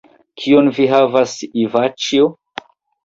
Kion vi havas Ivaĉjo?